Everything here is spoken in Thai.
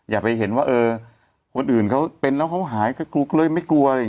อย่าไปเห็นว่าคนอื่นเขาเป็นแล้วเขาหายก็กลุ๊กเลยไม่กลัว